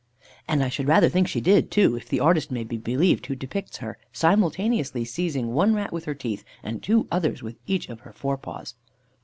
(And I should rather think she did, too, if the artist may be believed who depicts her simultaneously seizing one rat with her teeth, and two others with each of her fore paws.)